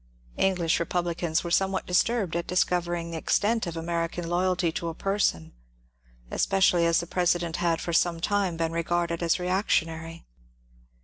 English republicans were somewhat disturbed at discovering the extent of American loyalty to a person, especially as the President had for some time been regarded as reactionary.